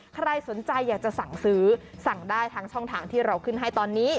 ใครสนใจอยากจะสั่งซื้อสั่งได้ทางช่องทางที่เราขึ้นให้ตอนนี้